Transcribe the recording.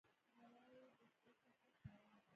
غلی، د ستر شخصیت خاوند وي.